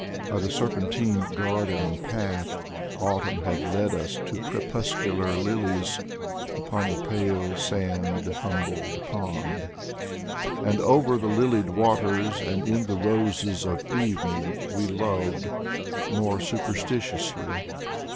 By the serpentine garden path Autumn had led us To crepuscular lilies Upon the pale, sand humbled pond. And over the lilied waters and in the roses of evening, We loved, more superstitiously.